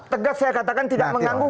tegas saya katakan tidak mengganggu